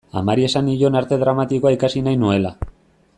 Amari esan nion Arte Dramatikoa ikasi nahi nuela.